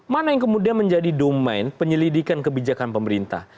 mana yang kemudian menjadi domain penyelidikan kebijakan pemerintah